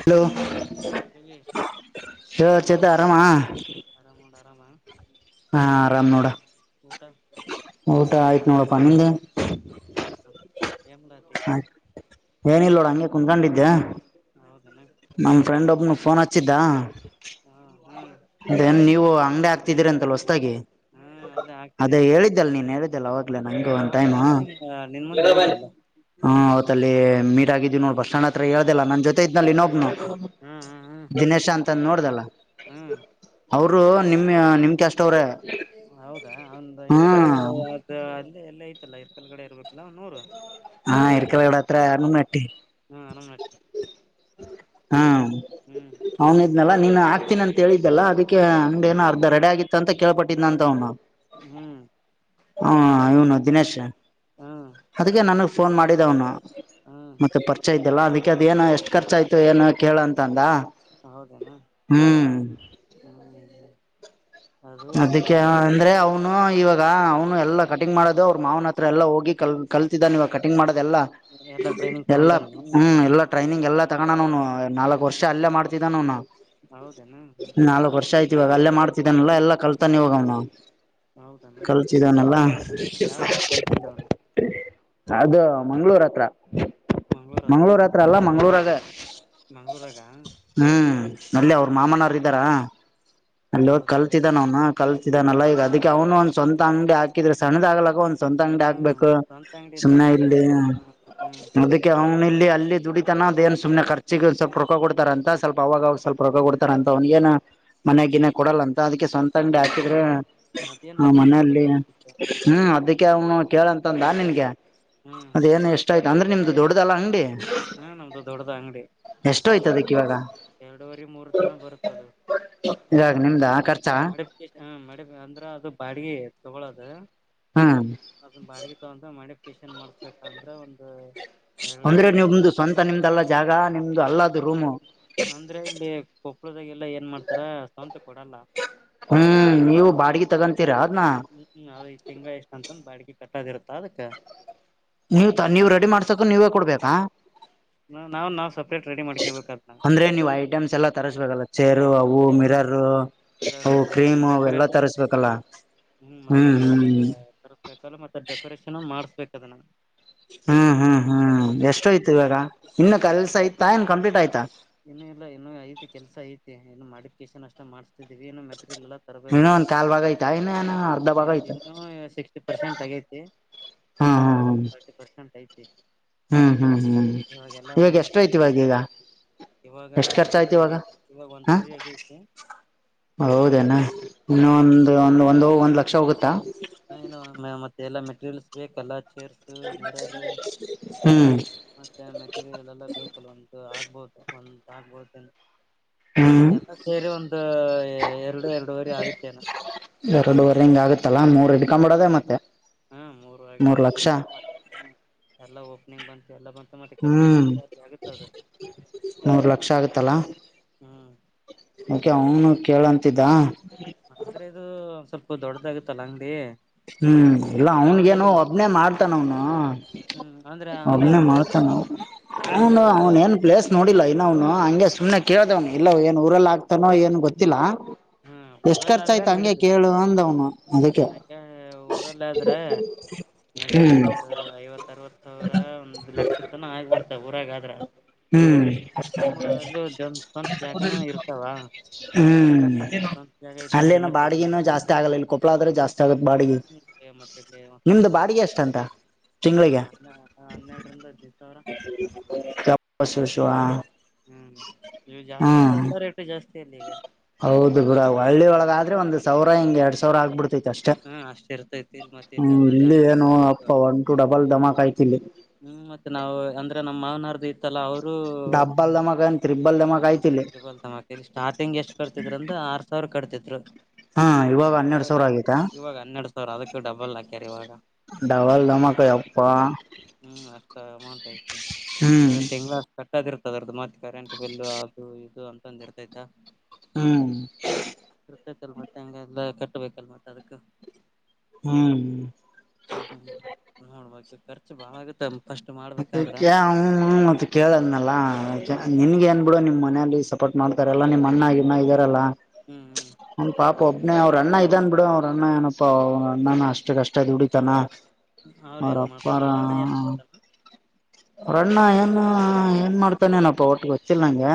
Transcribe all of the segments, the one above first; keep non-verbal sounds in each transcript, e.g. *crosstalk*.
Hello ಹಾಗಾಗಿ ಯ ಚೇತ ಆರಾಮಾ. ಆರಾಮ ನೋಡ ಆರಾಮಾ. ಹಾ ಆರಾಮ್ ನೋಡ. ಊಟ ಊಟ ಆಯ್ತು ನೋಡಪ್ಪ ನಿಂದು. ದಯ್ತು ಏನ್ ಮಾಡ ಅತ್ತಿ ಆಯ್ತ ಏನಿಲ್ಲೋಡ ಹಂಗೆ ಕುತ್ಕೊಂಡಿದ್ದೆ. ಹೌದೆನು ನಮ್ಮ ಫ್ರೆಂಡ್ ಒಬ್ನು ಫೋನ್ ಹಚ್ಚಿದ್ದ. ಹಾ ಹಾ ಏನ್ ನೀವು ಅಂಗಡಿ ಹಾಕ್ತಿದೀರಿ ಅಂತಲ್ ಹೊಸತಾಗಿ ಹಾ ಅದ ಆಗ್ತಿದೆ ಅದೇ ಹೇಳಿದ್ದಲ್ ನೀನ್ ಹೇಳಿದ್ದಲ್ಲ ಅವಾಗ್ಲೇ ಹ ನಂಗು ಒಂದ್ ಅವಾಗ ಟೈಮು. ಹ *unintelligible* ಅಲ್ಲಿ ಮೀಟಾಗಿದ್ದ ನೋಡ್ ಬಸ್ ಸ್ಯಾಂಡ್ ಹತ್ರ ಹೇಳ್ದಿಲ್ಲ ನನ್ ಜೊತೆ ಇದನಲ್ಲ ಇನ್ನ ಹ್ಮ್ ಹ್ಮ್ ಹ್ಮ್ ದಿನೇಶ ಅಂತ ನೋಡ್ದಲ್ಲ ಹ್ಮ್ ಅವರು ನಿಮ ನಿಮ್ಗೆ ಎಷ್ಟ ಅವ್ರೆ ಹೌದಾ ಒಂದು ಹ್ಮ ಇರ್ಕಲ್ ಅದು ಅಲ್ಲಿ ಎಲ್ಲ ಐತಲ್ಲಾ ಇರ್ಕಲ್ಗಡೆ ಇರ್ಬೇಕಲ್ಲ ಅವನೂರು ಹಾ ಇಕಲ ಇಡ ಅತ್ರ ಹನುಮನಟ್ಟಿ ಹ್ಮ್ ಆರಾಮ್ ನಡ್ತಿ ಹಾ ಹ್ಮ್ ಹ್ಮ್ ಹನ ಇನ್ನೆಲ್ಲ ನೀನ್ ಹಾಕತೀನ ಅಂತ ಹೇಳಿದ್ದೆಲ್ಲ ಅದಕ್ಕೆ ಹಂಗ ಏನೋ ಅರ್ಧ ರೆಡಿ ಆಗಿತ್ತು ಅಂತ ಕೇಳ್ಪಟ್ಟಿದ್ ಅಂತವ್ ನಾವು ಹ್ಮ್ ಹ ಇವನು ದಿನೇಶ್ ಹ್ಮ್ ಅದಕ್ಕೆ ನನ್ಗ್ ಫೋನ್ ಮಾಡಿದ ಅವನು ಹ್ಮ್ ಮತ್ತೆ ಪರಿಚಯ ಇದಲ್ಲಾ ಅದಕ್ಕೆ ಅ ಏನು ಎಷ್ಟು ಖರ್ಚ ಆಯ್ತು ಏನ ಕೇಳ ಅಂತ ಅಂದ ಹೌದೇನಾ ಹ್ಮ್ ಅದು ಅದಕ್ಕೆ ಪ್ಯಾಷನ್ ಅಂದ್ರೆ ಅವನು ಇವಾಗ ಈಗ ಅವನು ಎಲ್ಲ ಕಟಿಂಗ್ ಮಾಡೋದು ಅವ್ರ ಮಾವನ ಹತ್ರ ಎಲ್ಲ ಹೋಗಿ ಕಲ್ ಕಲ್ತಿದ್ದ ನೀವಾಗ ಕಟಿಂಗ್ ಮಾಡೋದೆಲ್ಲ ಎಲ್ಲ ಟ್ರೈನಿಂಗ್ ಎಲ್ಲ ತಗೊಂಡಾನು ಹ್ಮ್ ಎಲ್ಲ ಟ್ರೈನಿಂಗ್ ಎಲ್ಲ ತಗೋಣನ್ ಅವನು ನಾಲ್ಕು ವರ್ಷ ಅಲ್ಲೇ ಮಾಡ್ತಿದ್ದನ ಅವನು ಹೌದೇನಾ ನಾಲ್ಕ ವರ್ಷ ಆಯತ ಇವಾಗ ಅಲ್ಲೇ ಮಾಡ್ತಿದ್ದಾನಲ್ಲ ಎಲ್ಲಾ ಕಲ್ತಾನೆ ಇವಾಗವ್ನ ಹೌದಾನ ಕಲ್ಸಿದಾನಲ್ಲ ಯಾವರಲ್ಲಿ ಕೆಲ್ಸಿದ್ದವನು ಅದು ಮಂಗ್ಗಳೂರ್ ಹತ್ರ ಮಂಗ್ಳೂರ್ ಹತ್ರ ಅಲ್ಲಾ ಮಂಗ್ಳೂರಾಗೆ ಮಂಗ್ಳೂರಾಗ ಹ್ಮ್ ಅಲ್ಲಿ ಅವ್ರ ಮಾಮನವರು ಇದ್ದಾರ ಅಲ್ಲಿ ಹೋಗ ಹೌದೇನ ಕಲ್ತಿದ್ದ ನ ಅವ್ನು ಕಲ್ತಿದಾನಲ್ಲ ಈಗ ಅದಕ್ಕೆ ಅವನು ಒಂದ್ ಸ್ವಂತ ಅಂಗಡಿ ಹಾಕಿದ್ರೆ ಸಣ್ಣದಾಗಗ್ಲಾಗ ಒಂದ ಸ್ವಂತ ಅಂಗಡಿ ಹ್ಮ್ ಹಾಕ್ಬೇಕು ಸ್ವಂತ ಅಂಗಡಿ ಇದ್ರ ಸುಮನೆ ಮತ್ತೆ ಇಲ್ಲಿ ಹ್ಮ್ ಅವ್ನ್ ಇಲ್ಲಿ ಅಲ್ಲಿ ದುಡಿತನದ ಏನ್ ಸ್ವಲ್ಪನೆ ಖರ್ಚಿಗೆ ಸ್ವಲ್ಪ ರೊಕ್ಕ ಕೊಡತಾರ ಅಂತ ಸ್ವಲ್ಪ ಅವಾಗ ಅವಾಗ ಸ್ವಲ್ಪ ರೊಕ್ಕ ಕೊ ರಂತ ಅವನಗಏನ ಮನೆಯ ಹ್ಮ್ ಗಿನ್ನೆ ಕೊಡಲ್ಲ ಅಂತ ಅದಕ ಸ್ವಂತ ಅಂಗಡಿ ಹಾಕಿದ್ರೆ ಅದೇನ್ ಹಾ ಮತ್ತೆ ಮನೆಯಲ್ಲಿ ಗಿಟ್ಟೋಗಿಲ್ಲ ಹ್ಮ್ ಅದಕ್ಕೆ ಅವನು ಕೇಳಂತಂದಾ ನಿನ್ಗೆ ಹ್ಮ್ ಹ್ಮ್ ಅದೇಏನು ಎಷ್ಟ ಆಯ್ತು ಅಂದ್ರೆ ನಿಮ್ದು ದೊಡ್ದಲ್ಲ ಅಂಗಡಿ ಹಾ ನಮ್ದು ದೊಡ್ಡದ ಅಂಗಡಿ ಎಷ್ಟೋ ಒಂದು ಆಯ್ತ ಅದಕ್ ಇವಾಗ ಎರಡೂವರಿ ಮೂರರ ತನ ಬರತದ ಇವಾಗ ನಿಮ್ದಾ ಖರ್ಚಾ ಹ ಮೇಡಂ ಅಂದ್ರ ಅದ ಬಾಡಿಗೆ ತಗೊಳೋದು ಹ್ಮ್ ಅದನ ಬಾಡಿಗೆ ತಗೊಂಡ ಮಾಡಿಪಿಕೇಷನ್ ಮಾಡಸಬೇಕ ಅಂದ್ರ ಒಂದ ಅಂದ್ರೆ ನಿಮ್ದು ಸ್ವಂತ ನಿಮ್ದಲ್ಲ ಜಾಗ ನಿಮ್ದು ಅಲ್ಲದ ರೂಮು ಅಂದ್ರ ಇಲ್ಲಿ ಕೊಪ್ಪಳದಾಗೆಲ್ಲ ಏನ್ ಮಾಡ್ತಾರ ಸ್ವಂತ ಕೊಡಲ್ಲ ಹ್ಮ್ ನೀವು ಬಾಡಿಗೆ ತಗೊಂತೀರಾ ಅದ್ನ ಹ್ಮ್ ಹ್ಮ್ ಅದ್ ತಿಂಗಳ ಇಷ್ಟ ಅಂತಂದ ಬಾಡಿಗಿ ಕಟ್ಟದಿರತ್ತ ಅದಕ್ಕೆ ನೀವ್ ತಾನ್ ನೀವ್ ರೆಡಿ ಮಾಡಸಾಕು ನೀವೇ ಕೊಡ್ಬೇಕಾ ನಾವ್ ನಾವ್ ಸಪ್ರೇಟ್ ರೆಡಿ ಮಾಡ್ಕೇಬೇಕದ್ ನಾವ್ ಅಂದ್ರೆ ನೀವ್ ಐಟಮ್ಸ್ ಎಲ್ಲ ತರ್ಸ್ಬೇಕಲ್ಲ ಚೇರು ಅವು ಐಟೆಮ್ ಮಿರರ್ ಹ ಇರೋರು ಕ್ರೀಮ್ ಅವ ಎಲ್ಲಾ ತರಿಸಬೇಕಲ್ಲ ಹ್ಮ ಮತ್ತೆ ಎಲ್ಲಾ ತರ್ಸ್ಬೇಕಲ್ಲ ಮತ್ತೆ ಡೆಕೋರೇಷನ್ ಮಾಡ್ಸಬೆಕ್ ಅದನ್ ಹ್ಮ್ ಹ್ಮ್ ಹ್ಮ್ ಎಷ್ಟೋಯ್ತು ಇವಾಗ ಇನ್ನ ಕೆಲ್ಸ ಇತ್ತಾ ಏನ್ ಕಂಪ್ಲೀಟ್ ಆಯ್ತಾ ಇನ್ನು ಇಲ್ಲ ಇನ್ನು ಐತಿ ಕೆಲಸ ಐತಿ ಇನ್ನು ಮಾಡಿಫಿಕೇಶನ್ ಅಷ್ಟ ಮಾಡ್ಸತಿದಿವಿ ಇನ್ನು ಮೆಟೀರಿಯಲ್ ಎಲ್ಲ ತರ್ಬೇಕ ಇನ್ನೊ ಒಂದ್ ಕಾಲ್ ಭಾಗ ಆಯ್ತಾ ಇನ್ನ ಏನ ಅರ್ಧ ಭಾಗ ಆಯ್ತಾ ಇನ್ನು ಸಿಕ್ಸಟಿ ಪರ್ಸೆಂಟ್ ಆಗೇತಿ ಹ್ಮ್ ಥರ್ಟಿ ಪರ್ಸೆಂಟ್ ಐತೆತಿ ಹ್ಮ್ ಹ್ಮ್ ಹ್ಮ್ ಇವಾಗ ಎಷ್ಟ ಐತಿ ಮಾಡಿಫಿಕೇಶನ್ ಇವಾಗ ಈಗ ಇವಾಗ ಎಷ್ಟು ಖರ್ಚ ಒಂದ್ ಹೋರಿ ಆಯ್ತು ಇವಾಗ ಹೊಗೆತಿ ಇವಾಗ ಒಂದ ಹ ಹೋರಿ ಆಗೇತಿ ಹೌದೇನಾ ಇನ್ನ ಹ್ಮ್ ಒಂದು ಒಂದ ಒಂದು ಒಂದ್ ಲಕ್ಷ ಹೋಗುತ್ತಾ ಹ ಇನ್ನು ಮತ್ತೆ ಎಲ್ಲ ಮೆಟೀರಿಯಲ್ಸ್ ಬೇಕಲ್ಲ ಚೇರ್ಸ್ ಮಿರರ್ ಹ್ಮ್ ಮತ್ತೆ ಮೆಟೀರಿಯಲ್ ಎಲ್ಲ ಬೇಕಲ್ ಒಂತ ಆಗ್ಬಹುದು ಒಂತ ಆಗ್ಬಹುದು ಹ್ಮ್ ಎಲ್ಲ ಸೇರಿ ಒಂದು ಎರಡು ಎರಡುವರೆ ಆಗುತ್ತೇನೆ ಎರಡುವರೆ ಹಿಂಗ್ ಆಗತ್ತಲ್ಲಾ ಮೂರ್ ಹಿಡ್ಕೊಂಡ ಬಿಡೋದೇ ಮತ್ತೆ ಹ್ಮ ಮೂರ ಮೂರ್ ಲಕ್ಷ ಮತ್ತ ಹ್ಮ ಎಲ್ಲಾ ಓಪನಿಂಗ್ ಬಂತು ಎಲ್ಲ ಬಂತ ಹ್ಮ್ ಮೂರ್ ಲಕ್ಷ ಆಗತ್ತಲ್ಲಾ ಹ್ಮ್ ಓಕೆ ಅವನು ಕೇಳಂತಿದ್ದ ಹ ಅಂದ್ರೆ ಇದು ಸ್ವಲ್ಪ ದೊಡ್ಡದಗತ್ತಲ್ಲ ಅಂಗಡಿ ಹ್ಮ್ ಇಲ್ಲ ಅಂದ್ರ ಅವ್ನ್ ಅವನಗೇನು ಎಲ್ ಒಬ್ನೇ ಮಾಡ್ತಾನ ಅವನು ಹ್ಮ್ ಅಂದ್ರ ಅವ್ನ್ ಎಲ್ ಒಬ್ನೇ ಮಾಡ ಮಾಡ್ತ ನ ಅಂದ್ರ ಅವನ್ ಏನ್ ಪ್ಲೇಸ್ ನೋಡಿಲ್ಲ ಇನ್ನವ್ನು ಹಂಗೆ ಸುಮ್ನೆ ಕೇಳ್ದವ್ನು ಇಲ್ಲ ಏನ್ ಊರಲ್ಲ ಆಗ್ತಾನೋ ಏನ್ ಗೊತ್ತಿಲ್ಲ ಹ್ಮ್ ಎಷ್ಟ್ ಊರಲ್ಲ ಖರ್ಚ ಆದ್ರೆ ಆಯ್ತು ಹಂಗೆ ನಡೀತ ಕೇಳು ಅಂದವ್ನು ಅದಕ್ಕೆ ಯಾಕೆ ಊರಲ್ಲ ಆದ್ರೆ ನಡತೈತ್ ಹ್ಮ್ ಒಂದು ಐವತ್ತು ಅರವತ್ ಸಾವಿರ ಒಂದ್ ಲಕ್ಷ ತನ ಆಗ್ಬಿಡ್ತಾವ ಊರಾಗ ಆದ್ರ ಹ್ಮ್ ನಮ್ಮೂರಲ್ಲೂ ಒಂದ್ ಸ್ವಂತ ಜಾಗನೂ ಇರ್ತಾವ ಹ್ಮ್ ಸ್ವಂತ ಜಾಗ ಇತ್ತಂದ್ರೆ ಅಲ್ಲೇನ ಇನ್ನೂ ಬಾಡಿಗೆನೂ ಜಾಸ್ತಿ ಆಗಲ್ಲ ಇಲ್ಲಿ ಕೊಪ್ಪಳ ಆದ್ರೆ ಜಾಸ್ತಿ ಆಗತ್ ಬಾಡಿಗೆ ಕಡಿಮೆ ನಿಮ್ದು ಬಾಡಿಗೆ ಎಷ್ಟಂತ ಈ ತಿಂಗಳಿಗೆ ಹದ ಹನ್ನೆರಡರಿಂದ ಹದಿನೈದು ಸಾವಿರ *unintelligible* ಪಸು ಶುವ ಹ್ಮ್ ನೀವು ಜಾಸ್ತಿ ಅಲ್ಲ ಎಲ್ಲಾ ರೇಟ ಜಾಸ್ತಿ ಅಲ್ಲಿ ಈಗ ಹೌದು ಗುರ ಹ್ಮ್ ಹಳ್ಳಿೊಳಗಾದ್ರೆ ಒಂದು ಸಾವಿರ ಹಿಂಗ ಎರಡ್ ಸಾವಿರ ಆಗ್ಬಿಡ್ತೈತಿ ಅಷ್ಟು ಹಾ ಅಷ್ಟ್ ಇರ್ತೈತಿ ಇಲ್ ಮತ್ತೆ ಹ್ಮ ಇಲ್ಲೆಲ್ಲಾ ಇಲ್ಲಿ ಜಾಸ್ತಿ ಏನು ಅಲ್ಲತ್ತೈತಿ ಅಪ್ಪ ಒಂಟು ಡಬಲ್ ದಮಾಕ್ ಯ್ತಿಲ್ಲಿ ಹ್ಮ್ ಮತ್ತ ನವು ಅಂದ್ರ ನಮ್ ಮಾವನರ್್ದ ಇ ಲ್ಲ ಅವರು ಡಬ್ಬಲ್ ಧಮಾಕ್ ಏನ್ ತ್ರಿಬಲ್ ಧಮಾಕ್ ಹ ಆಯ್ತಿ ಇಲ್ಲಿ ಹಮೆಕೆ ಇಲ್ಲಿ ಸ್ಟಾರ್ಟಿಂಗ್ ಎಷ್ಟ್ ಕಟ್ತಿದ್ರು ಅಂದ್ರ ಆರ್ ಸಾವಿರ ಕಟ್ತಿದ್ರು ಹಾ ಹನ್ನೆರಡ್ ಇವಾಗ ಸಾವಿರ ಆಗೈತಾ ಇವಾಗ ಹನ್ನೆರಡು ಸಾವಿರ ಅದಕ್ಕ ಡಬಲ್ ಹಾಕ್ಯಾರ ಇವಾಗ ಡವಲ್ ದಮ್ಮಕ ಹಪ್ಪಾ ಹ್ಮ್ ಹ್ಮ್ ಅಷ್ಟು ಅಮೌಂಟ್ ಐತೆ ಬರ ಹ್ಮ್ ತಿಂಗಳ ಕಟ್ಟದ ಇರ್ತದರ್ದ್ದು ಮತ್ತೆ ಕರೆಂಟ್ ಬಿಲ್ ಅದು ಇದು ಅಂತಂದು ಇರ್ತೈತ ಹ್ಮ್ ಕರ್ತೈತಲ್ ಮತ್ತೆ ಹೆಂಗ ಎಲ್ಲ ಕಟ್ಬೇಕಲ್ ಮತ್ತತ್ ಅದಕ್ ಹ್ಮ ಹ್ಮ್ ಹ್ಮ್ ನೋಡ್ಬ ಖರ್ಚು ಬಾಳ ಆಗತ್ತ ಫಸ್ಟ್ ಮಾಡ್ಬೇಕಾದ್ರ ಕ್ಕೆಮ ಮತ್ತತ್ ಕೇಳದ್ನಲ್ಲ ನಿನ್ಗೆ ಏನ್ ಬಿಡು ನಿಮ್ ಮನಲಿ ಸಪೋರ್ಟ್ ಮಾಡ್ತಾರಲ್ಲಾ ನಿಮ್ಮ್ ಅಣ್ಣ ಇಮ್ಮ ಇದಾರಲ್ಲಾ ಹ್ಮ್ ಹ್ಮ್ ಹನ್ ಪಾಪ ಒಬ್ನನೆ ಅವ್ರ ಅಣ್ಣ ಇದನ್ ಬಿಡು ಅವ್ರ ಅಣ್ಣ ಏನಪ್ಪ ಅವ ಅಣ್ಣನ ಅಷ್ಟ ಕಷ್ಟ ಉಡಿತಾನ ಅವ್ರ ಏನ್ ಮಾಡ್ತಾರ ಅವ್ರಪ್ಪಾರ ಅವ್ರನ್ನ ಏನ್ ಮಾಡ್ತಾರ ಅವ್ರಣ್ಣ ಏ ಏನ್ ಮಾಡ್ತಾನೇನಪ್ಪ ಒಟ್ಟಿಗೆ ಹೊಚ್ಚಿಲ್ಲ ನಂಗೆ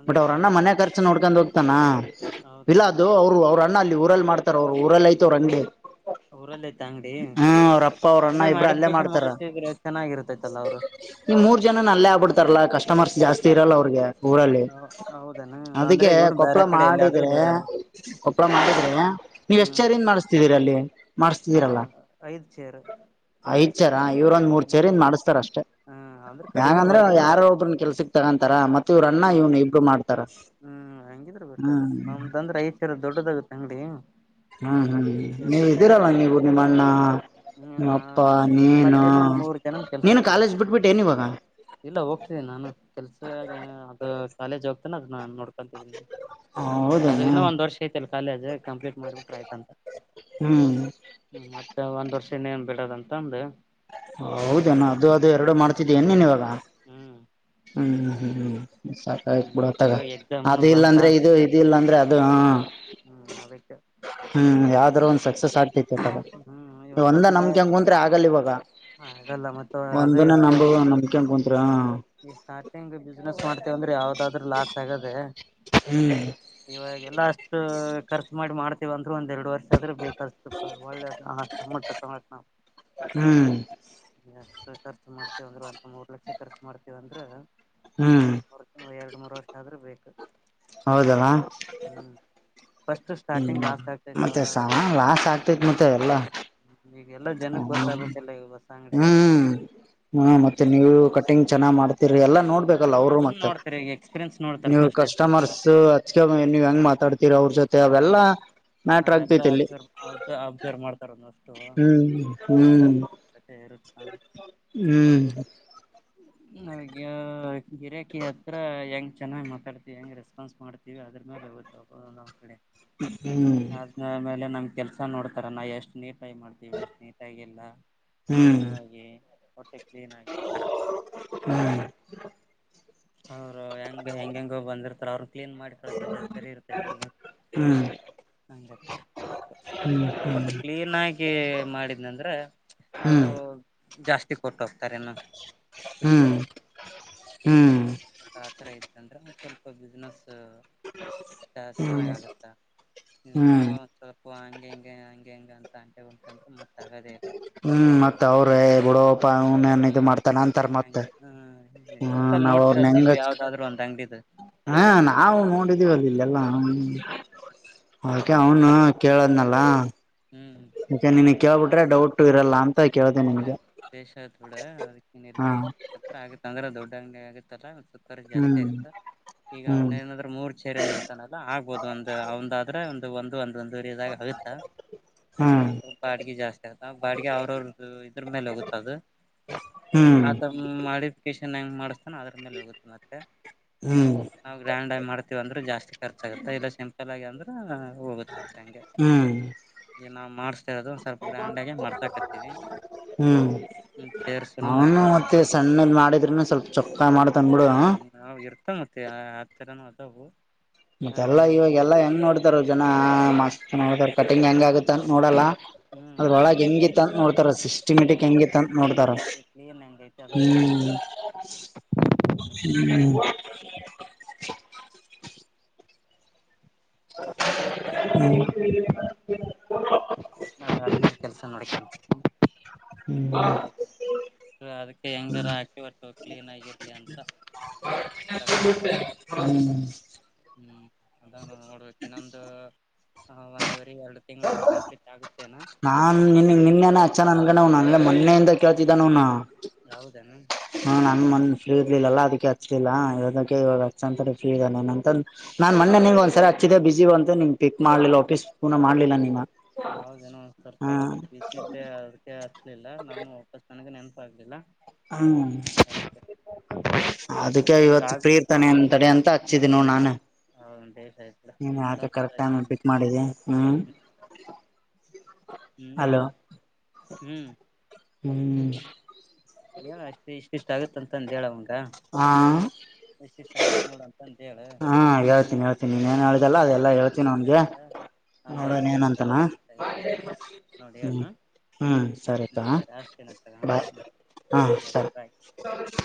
ಅಂದ್ರ ಬಟ್ ಅವ್ರಣ್ಣ ಮನೆ ರ್ ನೋಡ್ಕೊಂಡ್ ಹೋಗ್ತಾನ ಹೌದನ ಇಲಾದು ಅವರು ಅವ್ರ ಅಲ್ಲಿ ಹಊರಲ್ ಮಾಡ್ತಾರ ಅವ್ರು ಊರಲ್ ಐತವ್ರು ಅಂಗಡಿ ಊರಲ್ಲಿ ಐತೆ ಅಂಗಡಿ ಹ್ಮ್ ಅವ್ರ ಅಪ್ಪ ಅವ್ರ ಅಣ್ಣ ಅದನ್ನೇ ಇಬ್ರು ಅಲ್ಲೇ ಮಾಡಿಫಿಕೇಶನ್ ಮಾಡ್ತಾರ ಮಾಡತಿದ್ರೆ ಚೆನ್ನಾಗಿರ್ತೈತಲ್ಲ ಅವ್ರು ನೀ ಮೂರ್ ಜನ ಅಲ್ಲೇ ಆಗ್ಬ ಬಿಡ್ತಾರಲ್ಲ ಕಸ್ಟಮರ್ಸ್ ಜಾಸ್ತಿ ಇರಲ್ಲ ಅವ್ರಿಗೆ ಊರಲ್ಲಿ ಹೌದನ ಅಂದ್ರೆ ಅದಿಕ್ಕೆ ಇವನು ಕೊಪ್ಳ ಬೇರೆ ಕಡೆ ಎಲ್ಲಾದ್ರೂ ಮಾಡಿದ್ರೆ. ಬೇರೆ ಕೊಪ್ಳ ಮಾಡಿದ್ರಲ ನೀವ್ ಎಷ್ಟ ಚೆರಿಂದ್ ಮಾಡುಸ್ತಿದೀರ್ ಅಲ್ಲಿ. ನವ ಮಾಡಿಸ್ತಿದೀರಲ್ಲ ಐದ್ ಚೇರು. ಐದ್ ಚರಾ ಇವರೊಂದ್ ಮೂರ್ ಚೆರಿಂದ್ ಮಡುಸ್ತಾರ್ ಅಷ್ಟೇ. ಹ್ಮ್ ಅಂದ್ರೆ ಕಡಿಮೆ ನವಂದ್ರೆ ಬರ್ತಲ್ಲ ಯಾರೊ ಒಬ್ಬ್ರನ್ ಕೆಲ್ಸಕ್ ತಗೊಂತಾರ ಮತ್ ಇವ್ರ ಅಣ್ಣ ಹ್ಮ್ ಇವ್ನು ಇಬ್ರು ಮಾಡ್ತಾರ. ಹ್ಮ್ ಹಂಗಿದ್ರ ಬೆಟರ್ ಹ್ಮ್ ಅವ್ನ್ ಬಂದ್ರ ಐದ್ತರ ದೊಡ್ಡದಾಗತ ಅಂಗಡಿ. ಹಾ ಹಾ ಐದ್ ನೀವ್ ಸೇರ್ದಾಗತ್ತ ಇದ್ದೀರಲ್ಲ ನೀವು ನಿಮ್ ಅಣ್ಣ. ಹ್ಮ್ ನಿಮ್ಮ ಅಪ್ಪ ನಾವ ಇದ್ದೀವಿ ನೀನು ಮತ್ತೇನ ಎನ ಒಂದ್ ಮೂರು ಜನುನ್ ನೀನು ಕೆಲ್ಸುಕ್ ಕಾಲೇಜ್ ಇಟ್ಕೊಂತಿವ್ ನಾವ್. ಬಿಟ್ಬಿಟ್ಟೇನ್ ಇವಾಗ ಇಲ್ಲ ಹೋಗ್ತಿದೀನ್ ನಾನು ಕೆಲ್ಸಗ ಅದು ಕಾಲೇಜ್ ಹೋಗ್ತೀನಿ ಅದು ನನ್ ನೋಡ್ಕೋ ಅದು ಹೌದೇನಾ ಇನ್ನು ಒಂದ್ ವರ್ಷ. ಐತಲ್ ಕಾಲೇಜು ಕಂಪ್ಲೀಟ್ ಮಾಡ್ಬಿಟ್ರ ಆಯ್ತ್ ನಮ್ದು. ಹ್ಮ್ ಹ್ಮ ಮತ್ತೆ ಒಂದ್ ವರ್ಷ ಇನೇನ್ ಬಿಡದ್ ಅಂತ್ತಂದು. ಹೌದೆನು ಅದು ಅದು ಎರಡು ಮಾಡ್ತಿದ್ದಿ ಏನ್ ನೀನ್ ಇವಾಗ. ಹ್ಮ್ ಹ್ಮ್ ಹ್ಮ್ ಸಾಕಯಿತ್ ಹ್ಮ್ ಬಿಡತ್ತಗ ಇವಾಗ ಎಕ್ಸಾಮ್ನು ಅದು ಬಂತ ಇಲ್ಲಾಂದ್ರೆ ಇದು. ಇದು ಇಲ್ಲಾಂದ್ರೆ ಅದು ಹಾ ಹಾ.. ಹ್ಮ್ ಅದಿಕ್ಕೆ. ಹ್ಮ್ ಯಾವ್ದರ ಒಂದ್ ಸಕ್ಸಸ್ ಆಗ್ತೈತತಗ ಹ್ಮ್ ಒಂದೆ ನಾಮ್ಕೆನ್ ಕುಂತ್ರೆ ಆಗಲ್ ಇವಾಗ. ಹಾ ಅದಲ್ಲ ಮತ್. ಒಂದುನೆ ನಂಬುವ ನಂಬಿಕೆನ್ ಕುಂತ್ರೆ ಹಾ. ಈ ಸ್ಟಾರ್ಟಿಂಗ್ ಬಿಸ್ನೆಸ್ ಮಾಡ್ತೇವಂದ್ರೆ ಯಾವದಾದ್ರು ಲಾಸ್ ಆಗದೆ. ಹ್ಮ್ ಇವಾಗೆಲ್ಲಾ ಅಷ್ಟು ಖರ್ಚು ಮಾಡಿ ಮಾಡ್ತೀವಂದ್ರು ಒಂದ್ ಎರಡ್ ವರ್ಷ ಅದ್ರು ಬೇಕಲ್ರಿ. ಸೋಲ್ಪ ಒಳ್ಳೇದು *unintelligible* ತಕಂಬಕ್ ನಾವ್. ಹ್ಮ್ ಎಷ್ಟು ಖರ್ಚ ಮಾಡ್ತೀವಂದ್ರೆ ಒಂದ್ ಮೂರ್ ಲಕ್ಷ ಖರ್ಚು ಮಾಡ್ತೀವ್ ಅಂದ್ರ ಹ್ಮ್ ಎರು. ಹ್ಮ್ಮ್ ಎರಡ್ ಮೂರ್ ವರ್ಷ ಆದ್ರೂ ಬೇಕು. ಹೌದಲ್ಲ. ಹ್ಮ್ ಫಸ್ಟ್ ಸ್ಟಾರ್ಟಿಂಗ್ ಹ್ಮ್ ಲಾಸ್ಟ್ ಆಗ್ತೈತಿ ಮತ್ತೆ ಸಮ ಯಾವದಾದ್ರು. ಲಾಸ್ ಆಗ್. *unintelligible* ಹ್ಮ ಈಗ್ಗೆಲ್ಲಾ ಜನೂಕು ಗೋತ್ತಾಗ್ಬೇಕಲ್ಲ ಇಲ್ ಓಸಾ ಅಂಗ್ಡಿ ಅಗೇತಿ. ಹ್ಮ್ ಹ್ಮ ಮತ್ತೆ ನೀವು ಕಟಿಂಗ್ ಚೆನ್ನಾಗ್ ಮಾಡ್ತಿರಿ ಎಲ್ಲ ನೋಡ್ಬೇಕಲ್ಲ ಅವರುನು. ನೋತಾರೆ ಈಗ್ ಎಕ್ಸ್ರಿಯನ್ಸ್ ನೋಡ್. ನೀವು ಕಸ್ಟಮರ್ಸ್ ಹಚ್ಕ ನೀವ್ ಹೆಂಗ್ ಮಾತಾಡ್ತಿರ ಅವ್ರ ಜೊತೆ ಹ್ಮ್ ಅವೆಲ್ಲಾ. ಮ್ಯಾಟ್ರ್ ಅದೆಲ್ಲ ಆಗ್ತೈತಿಲ್ಲಿ ಅಬ್ಸರ್ವ್ ಅಬ್ಸರ್ವ್ ಮಾಡ್ತಾರ ಹ್ಮ್ ಹ್ಮ್. ತಟೇ ಇರುತದೆ. ಹ್ಮ್ *inaudible* ನಮ್ಗೆ ಗಿರಾಕಿ ಹತ್ರ ಹೆಂಗೆ ಚೆನ್ನಾಗ್ ಮಾತಾಡ್ತಿಯ ಹೆಂಗ್ ರೆಸ್ಪಾನ್ಸ್ ಮಾಡ್ತೀಯ ಅದ್ರು ಮೇಲ್ ಹೋಗುತ್ತಾವ್. ನಮ್ ಕಡೆ. ಹ್ಮ್. ಆಮೇಲೆ ನಮ್ ಕೆಲ್ಸ ನೋಡ್ತಾರ ನಾವ್ ಎಷ್ಟ್ ನೀಟಾಗ್ ಮಾಡ್ತೀವಿ ಅಂತ್. ನಿವ್ ಎಷ್ಟ್ ನೀಟಾಗಿಲ್ಲ ಹ್ಮ್ ಕ್ಲೀನ ಆಗಿ... ಹೊಟಿಗ್ ಕ್ಲೀನಾಗಿ ಆತರ. ಅವ್ರು ಹೆಂಗ್ ಹೆಂಗೆಂಗೋ ಬಂದಿರ್ತಾರ ಅವ್ರು ಕ್ಲೀನ್ ಮಾಡಿ. ಕಳುಸೋ ಜವಾಬ್ದಾರಿ ಇರತೈತಿ ಹ್ಮ್ ಮಾತ್ರ ಒಟ್ಟು ಕ್ಲೀನಾಗಿ ಮಾಡಿದ್ನಂದ್ರ ಅವರು ಹ್ಮ್ ಹ್ಮ್ ಜಾಸ್ತಿ. ಟಿಪ್ಸ್ ಕೊಟಾಗ್ತಾರ ಇನ್ನ ಕುಷಿಗೆ. ಹ್ಮ್ ಹ್ಮ್ ಸ್ವಲ್ಪ ಹತ್ರ ಇತ್ತ ಅಂದ್ರ ಸ್ವಲ್ಪ ಬಿಸಿನೆಸ್. ಚೆನ್ನಾಗ ಹ್ಮ್ ಆಗತ್ತಾ ನಾವ. ಹ್ಮ್ ಸ್ವಲ್ಪ ಹಂಗೆ ಹಂಗೆ ಹಗೆ ಹಂಗ ಅಂತ ಅಂಕೋಬೆಕ್ ಅಂದ್ರೆ ಮತ್ತ ಆಗೋದೇ ಇಲ್ಲ. ಹ್ಮ್ ಮತ್ತ ಅವ್ರೆ ಬಿಡೋ. ಅವ್ನ್ ಏನ್ ಇದು ಹ್ಮ್ ಮಾಡ್ತನಾ ನಂತಾರ ಮತ್ತೆ ಹಂಗೆ ಹ್ಮ್ ಹೂ ಎಕ್ಸಾಂಪಲ್ ನಾವ ಅವ್ರನ್ನ ನೋಡ್ತಿರಲ್ ಹೆಂಗ. ನೀವು ಯಾವ್ದಾದ್ರು ಒಂದ್ ಅಂಗಡಿದ ಹಾ ನಾವು ನೋಡಿದೀವಲ್ಲಿ ಹ್ಮ್ ಇಲ್ಲೆಲ್ಲ ಹ್ಮ್ ಹೂ. ಅದಕೆ ಹ್ಮ್ ಅವನು ಕೇಳದ್ನಲ್ಲ ಹ್ಮ್ ಅದಕೆ ನಿನ ಕೇಳ್ಬಿಟ್ರೆ ಡೌಟ್ ಇರಲ್ಲ ಅಂತ. ಕೇಳ್ದೆ ಅದೇ ನಿನ್ಗೆ ಬೇಶ ಆತ ಬಿಡ್ ಅದಕ್ಕೇನಿಲ್ಲ ಹಾ ಇಷ್ಟ. ಹತ್ರ ಆಗುತ್ತೆ ಅಂದ್ರ ದೊಡ್ಡ ಅಂಗಡಿ ಆಗತ್ತಲ್ಲ ಜಾಸ್ತಿ ಹ್ಮ್ ಆಗುತ್ತೆ ಈಗ ಹ್ಮ್ ಅವನೆ ಏನರ್. ಮೂರ್ ಚೇರಿಂದ ಅಂತಾನಲ್ಲ ಆಗ್ಬಹುದು ಒಂದ್ ಅವಂದ್ದ್ರೆ ಒಂದು ಒಂದು ಒಂದುವರಿ ನಾಗ್ ಆಗುತ್ತ ಹ್ಮ್ ಸ್ವಲ್ಪ ಬಾಡಿಗೆ ಜಾಸ್ತಿ ಆತದ ಬಾಡಿಗೆ ಅವ್ರವರು. ಇದ್ರ ಮೇಲೆ ಹೋಗುತ್ತದು ಹ್ಮ್ ಆತ ಮಾಡಿಫಿಕೇಶನ್ ಹೆಂಗ ಮಾಡ್ಸ ಅದ್ರ ಮೇಲೆ ಹೋಗುತ್ತೆ ಮತ್ತೆ ಹ್ಮ್ ನಾವು ಗ್ರ್ಯಾಂಡ್ ಆಗಿ ಮಾಡ್ತೀವಿ ಅಂದ್ರೆ ಜಾಸ್ತಿ ಖರ್ಚಾಗುತ್ತೆ ಇಲ್ಲ ಸಿಂಪಲ ಆಗಿ ಅಂದ್ರ ಹೋಗುತೇ ಅಷ್ಟೇ ಹಂಗೆ ಹ್ಮ್ ಈಗ ನಾವ್ ಮಾಡ್ಸ್ತೆವ್ ಅದು. ಸ್ವಲ್ಪ ಗ್ರ್ಯಾಂಡ್ ಆಗಿ ಮಾಡಸಕತಿವಿ. ಹ್ಮ್. ಮತ್ತ ಅವನು ಮತ್ತೆ ಸಣ್ಣ ಮಾಡಿದ್ರುನು, ಸ್ವಲ್ಪ ಚೊಕ್ಕ ಮಾಡ್ತಾನ ಬಿಡು. ನಾವು ಇರ್ತವ ಮತ್ತ ಆ, ಆ ತರನು ಆತಾವು ಮತ್ತೆಲ್ಲಾ ಇವಾಗೆಲ್ಲಾ ಹೆಂಗ್ ನೋಡ್ತಾರ ಜನಾ ಮಸ್ತ್ ನೋಡ್ತಾರ ಕಟಿಂಗ್ ಹೆಂಗ ಆಗುತ್ತ ಅಂತ ನೋಡಲ್ಲ. ಹ್ಮ್ ಅದರ ಒಳಗ ಅಂಗಡಿ ಮಾಡಿ ಹೆಂಗಿತ್ತಂತ ನೋಡ್ತಾರ ಸಿಸ್ಟಮೆಟಿಕ ಹೆಂಗಿತ್ತು ಅಂತ ನೋಡ್ತಾರ ಹೆಂಗೈತಿ ಕ್ಲೀನ್ ಹೆಂಗೈತಿ ಅದನ್ನ ನೋಡ್ತಾರ ಹ್ಮ್. ಹ್ಮ. *unintelligible* *unintelligible* ಅದ ಆಗಿ ಕೆಲ್ಸ ನೋಡಕೆ ಅದಕೆ ಹೆಂ ಗರಾ ಆಗ್ಲಿ ಹೊತು ಕ್ಲೀನ್ ಆಗಿರ್ಲಿ ಅಂತ *unintelligible* ಹ್ಮ. ಹ್ಮ್ ಅದ ನೋಡ್ಬೇಕ ಇನ್ನೊಂದು. ಹ, ಒಂದುವರೆ ಎರಡು ತಿಂಗಳಲ್ಲಿ ಕಂಪ್ಲೀಟ್ ಆಗುತ್ತೇನಾ? ನಾನ್ ನಿನ್ ನಿನ್ನೆನ ಹಚ್ಚೇನ ಅನ್ಕೊಂಡವ್, ನನ್ಗ ಮೊನ್ನೆಯಿಂದ ಕೇಳ್ತಿದ್ದ ನವನು. ಹೌದೇನು. ಹ, ನನ್ ಮಂದ ಫ್ರೀ ಇರ್ಲಿಲ್ಲಲ್ಲಾ, ಅದಕ್ಕೆ ಹಚ್ಲಿಲ್ಲ ಇದಕ್ಕೆ ಇವಾಗ ಹಚ್ಚಂತ ಫ್ರೀ ಇದಾನೆನಂತ. ನಾನ್ ಮೊನ್ನೆ ನಿಂಗ ಒಂದ್ಸರಿ ಹಚಿದಿದೆ. ಬಿಜಿ ಬಂತು ನಿ ಪಿಕ್ ಮಾಡ್ಲಿಲ್ಲ, ವಾಪಿಸ್ ಪೂನ ಮಾಡಲಿಲ್ಲ ನೀನಾ. ಹೌದೇನ, ಒಂದ ಸ್ವಲ್ಪ ಅವತ್ತು ಬಿಸಿ ಇದೆ ಅದಕ್ಕೆ ಹಚ್ಚಲಿಲ್ಲ ನಾನು ವಾಪಸ್ ನನಗ್ ನೆನ್ಪ. ಆಗಲಿಲ್ಲ. ಹ್ಮ್, ಅದಕ್ಕೆ ಈಗ ಇವತ್ತು ಫ್ರೀ ಆಗ್ಬೋದು ಇರ್ತಾನೆ ಅಂತನೆ ಅಂತ. ಹಚ್ಚಿದಿನಿ ನೋಡ್ ನಾನ್. ಹೌದ ಏನ್ ಸರಿ ನೀ ಯಾಕ್ ಕರೆಕ್ಟ್ ಟೈಮ್ ಪಿಕ್ ಮಾಡಿದ್ದ, ಹ್ಮ್ ಹ್ಮ್ ಹಲೋ. ಹ್ಮ್. ಹ್ಮ್. ಹೇಳ ಅಷ್ಟೆ ಇಷ್ಟು, ಇಷ್ಟು ಆಗುತ್ತ ಅಂತ ಅಂದ ಹೇಳ ಅವಂಗ. ಹಾ! ಇಷ್ಟುಷ್ಟ ಆಗುತ್ತ ನೋಡ. ಅಂತ ಹೇಳ! ಹಾ! ಹೇಳ್ತೀನಿ, ಹೇಳ್ತಿನಿ ನೀನ್ನೇನ್ ಅವನ್ ಮೂರ್ ಹೇಳ್ದುದಲ್ಲಾ, ಅದೆಲ್ಲಾ ಸೇರಿಂದ ಹೇಳ್ತನಿ ಇಷ್ಟ ಅವನಿಗೆ. ಆಗುತ್ತ ನಮ್ದ್ ನೋಡೋಣ ಐದ್ ಸೇರಿಂದಲ್ಲ ಏನಂತನಾ. ಇಷ್ಟ ಆಗುತ್ತ ನೋಡಿ ಹು ಹೇಳ ಹು ಸರಿ ತೊ ಹ್ಮ್ ಸರಿ ಅಷ್ಟತೇನಂತ ಬಾಯ್. ಹ್ಮ್ ಸರಿ ಓಕೆ ಬಾಯ್. ಸೋರಿ